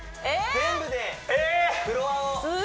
全部でフロアをえー！